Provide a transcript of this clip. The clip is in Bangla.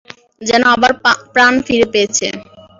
যেন আবার প্রাণ ফিরে পেয়েছে।